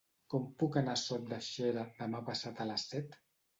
Com puc anar a Sot de Xera demà passat a les set?